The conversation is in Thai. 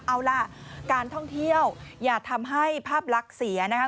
เอาล่ะการท่องเที่ยวอย่าทำให้ภาพลักษณ์เสียนะคะ